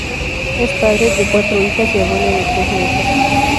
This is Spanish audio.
Es padre de cuatro hijas y abuelo de tres nietos.